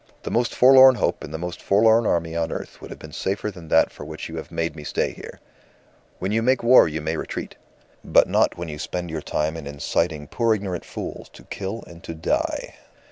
The most forlorn hope in the most forlorn army on earth would have been safer than that for which you made me stay here. When you make war you may retreat, but not when you spend your time in inciting poor ignorant fools to kill and to die."